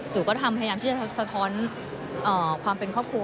หนูก็ทำพยายามที่จะสะท้อนความเป็นครอบครัว